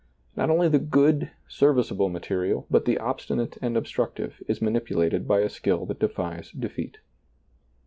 Not only the good, serviceable material, but the obstinate and obstructive' is manipulated by a skill that defies defeat.